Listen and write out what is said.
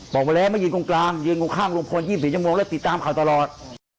บอกมาแล้วมันยืนกรุงกลางยืนกรุงข้างลุงพลยิ่มเสียจมงและติดตามเขาตลอด